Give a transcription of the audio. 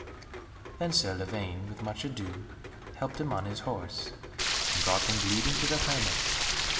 Then Sir Lavaine, with much ado, helped him on his horse, and brought him bleeding to the hermit.